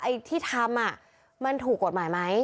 ไอ้ที่ทำมันถูกกฎหมายไหม